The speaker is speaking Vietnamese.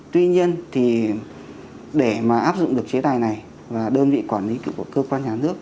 tuy nhiên để áp dụng được chế tài này và đơn vị quản lý của cơ quan nhà nước